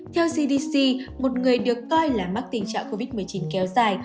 theo cdc một người được coi là mắc tình trạng covid một mươi chín kéo dài